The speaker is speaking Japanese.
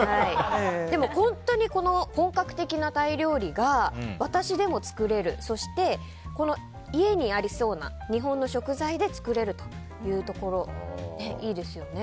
でも本当に本格的なタイ料理が私でも作れるそして、家にありそうな日本の食材で作れるというところがいいですよね。